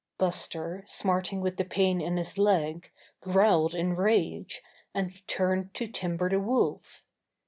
Buster, smarting with the pain in his leg, growled in rage, and turned to Timber the Wolf.